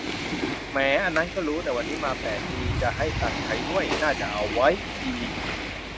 แหม อันนั้นก็รู้ แต่วันนี้มาแปลก มีจะให้ตังค์ใช้ด้วย น่าจะเอาไว้ อิอิ